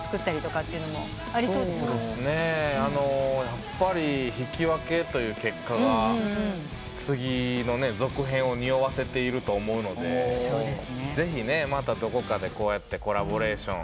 やっぱり引き分けという結果が次の続編をにおわせていると思うのでぜひまたどこかでこうやってコラボレーション。